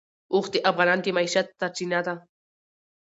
اوښ د افغانانو د معیشت سرچینه ده.